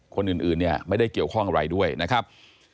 คนอื่นเนี่ยไม่ได้เกี่ยวข้องอะไรด้วยนะครับ